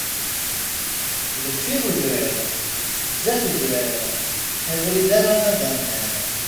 Deffir udrar, zdat udrar, abrid arama d anar.